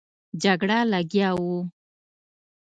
جګړه لګیا وو.